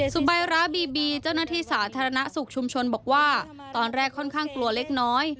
สบายร้าบีบีเจ้าหน้าที่สาธารณสุขชุมชนบอกว่าตอนแรกค่อนข้างกลัวเล็กน้อย